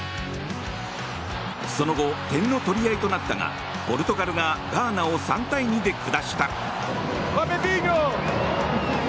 その後、点の取り合いとなったがポルトガルがガーナを３対２で下した。